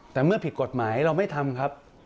แต่เมื่อผิดกฎหมายเราไม่ทำครับ